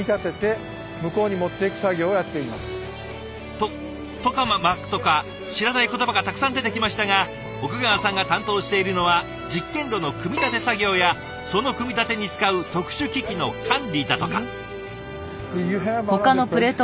トトカマクとか知らない言葉がたくさん出てきましたが奥川さんが担当しているのは実験炉の組み立て作業やその組み立てに使う特殊機器の管理だとか。